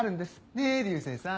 ねぇ流星さん。